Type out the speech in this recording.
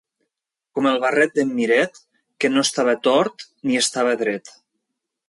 Com el barret d'en Miret, que no estava tort ni estava dret.